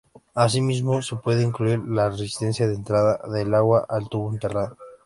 Asimismo se puede incluir la "resistencia de entrada" del agua al tubo enterrado.